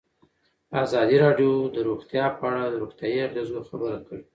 ازادي راډیو د روغتیا په اړه د روغتیایي اغېزو خبره کړې.